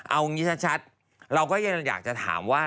เอางี้ชัดเราก็ยังอยากจะถามว่า